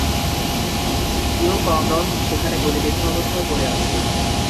You কংরং সেখানে গুলিবিদ্ধ অবস্থায় পড়ে আছে।